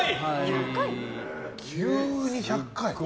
急に１００回。